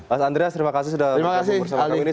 mas andreas terima kasih sudah bersama kami